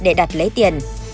để đặt lấy tiền